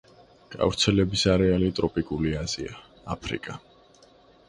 გავრცელების არეალი ტროპიკული აზია, აფრიკა.